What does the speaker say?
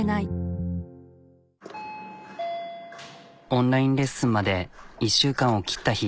オンラインレッスンまで１週間を切った日。